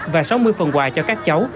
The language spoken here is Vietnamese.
và sáu mươi phần quà cho các cháu